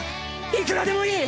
いくらでもいい！